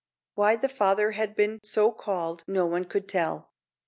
Why the father had been so called no one could tell.